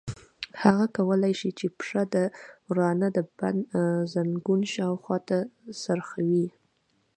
هغه کولای شي چې پښه د ورانه د بند زنګون شاوخوا ته څرخوي.